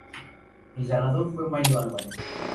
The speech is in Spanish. El ganador fue Mario Álvarez.